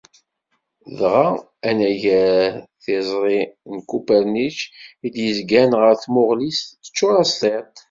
Dɣa, anagar tiẓri n Kupernik I d-izgan ɣef tmuɣli-s, teččur as tiṭ.